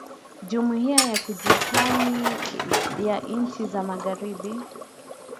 Jumuia ya Kujihami ya nchi za magharibi